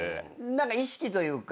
何か意識というか。